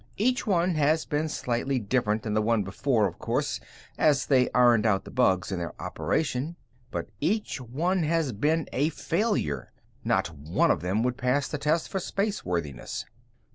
Each one has been slightly different than the one before, of course, as they ironed out the bugs in their operation. But each one has been a failure. Not one of them would pass the test for space worthiness."